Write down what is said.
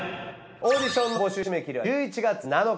オーディションの募集締め切りは１１月７日。